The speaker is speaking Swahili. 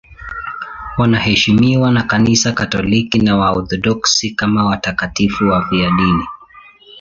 Wanaheshimiwa na Kanisa Katoliki na Waorthodoksi kama watakatifu wafiadini.